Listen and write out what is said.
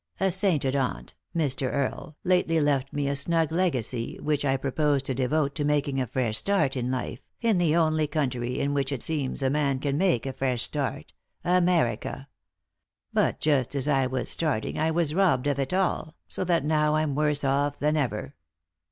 A sainted aunt, Mr. Karle, lately left me a snug legacy which I proposed to devote to making a fresh start in life, in the only country in which it seems a man can make a ftesh start — America. But just as I was starting I was robbed of it all, so that now I'm worse off than ever."